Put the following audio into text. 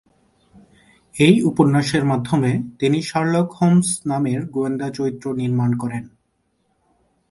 এই উপন্যাসের মাধ্যমে তিনি "শার্লক হোমস" নামের গোয়েন্দা চরিত্র নির্মাণ করেন।